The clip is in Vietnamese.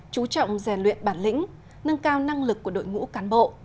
chú trọng rèn luyện bản lĩnh nâng cao năng lực của đội ngũ cán bộ